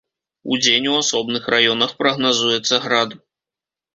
Удзень у асобных раёнах прагназуецца град.